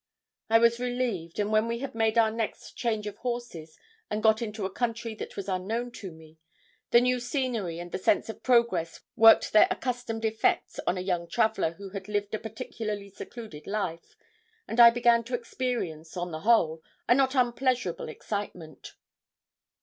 I was relieved, and when we had made our next change of horses, and got into a country that was unknown to me, the new scenery and the sense of progress worked their accustomed effects on a young traveller who had lived a particularly secluded life, and I began to experience, on the whole, a not unpleasurable excitement.